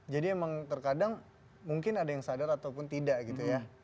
jadi emang terkadang mungkin ada yang sadar ataupun tidak gitu ya